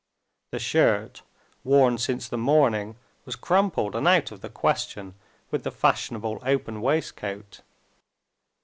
The shirt worn since the morning was crumpled and out of the question with the fashionable open waistcoat.